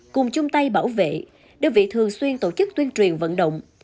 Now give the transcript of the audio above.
cùng chung tay bảo vệ đơn vị thường xuyên tổ chức tuyên truyền vận động